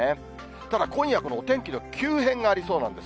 ただ今夜、このお天気の急変がありそうなんです。